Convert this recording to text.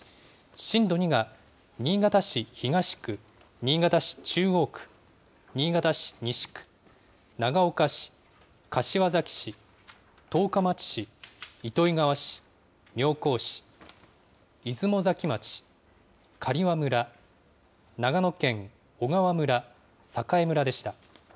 震度２が新潟市東区、新潟市中央区、新潟市西区、長岡市、柏崎市、十日町市、糸魚川市、妙高市、出雲崎町、刈羽村、長野県小川村、栄村でした。